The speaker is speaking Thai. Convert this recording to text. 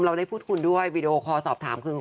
เราได้พูดคุณด้วยวีดีโอคอลสอบถามคือ